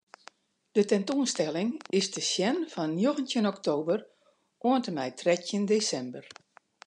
De tentoanstelling is te sjen fan njoggentjin oktober oant en mei trettjin desimber.